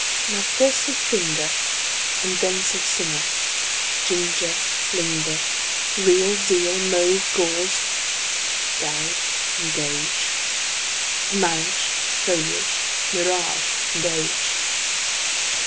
) Now first say: finger, And then: singer, ginger, linger. Real, zeal; mauve, gauze and gauge; Marriage, foliage, mirage, age.